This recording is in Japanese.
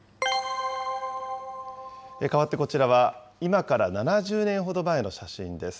かわってこちらは今から７０年ほど前の写真です。